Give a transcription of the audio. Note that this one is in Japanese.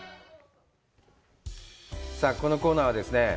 さぁこのコーナーはですね